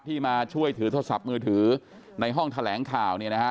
มาช่วยถือโทรศัพท์มือถือในห้องแถลงข่าวเนี่ยนะฮะ